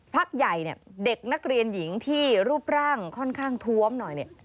พักใหญ่เนี่ยเด็กนักเรียนหญิงที่รูปร่างค่อนข้างท้วมหน่อยเนี่ย